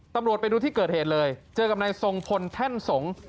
ตำรวจไปดูที่เกิดเหตุเลยเจอกับนายทรงพลแท่นสงศ์